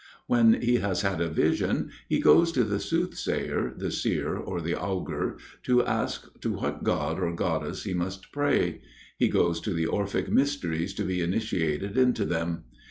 When he has had a vision, he goes to the soothsayer, the seer, or the augur, to ask to what god or goddess he must pray. He goes to the Orphic mysteries to be initiated into them.